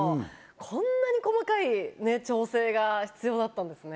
こんなに細かい調整が必要だったんですね